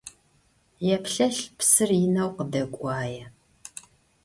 Yêplhelh, psır yineu khıdek'uaê.